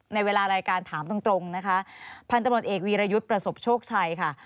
ในเวลารายการถามตรงตรงนะคะพันธบทเอกวีรยุทธ์ประสบโชคชัยค่ะ